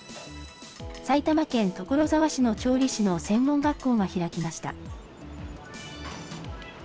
埼玉県所沢市の調理師の専門学校が開きました。